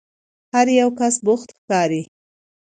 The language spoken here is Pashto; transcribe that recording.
هر یو کس بوخت ښکاري.